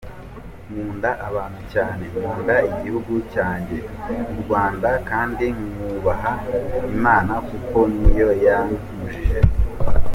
Nkunda abantu cyane, nkakunda igihugu cyanjye u Rwanda kandi nkanubaha Imana kuko niyo yankujije.